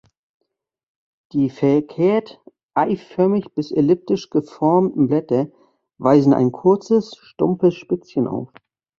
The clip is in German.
Die verkehrteiförmig bis elliptisch geformten Blätter weisen ein kurzes, stumpfes Spitzchen auf.